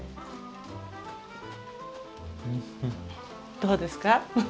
どうですか？